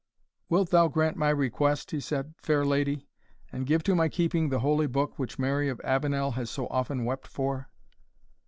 "Wilt thou grant my request," he said, "fair Lady, and give to my keeping the holy book which Mary of Avenel has so often wept for?"